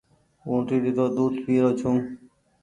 اُٽڙي رو ۮود پيرو ڇو۔